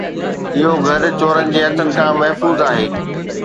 اھو گھر چورن جي ھٿن کان محفوظ آھي